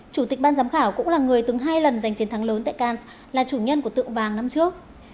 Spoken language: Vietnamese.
chủ tịch ban giám khảo cũng là người từng hai lần giành chiến thắng lớn tại kans là chủ nhân của tượng vàng năm trước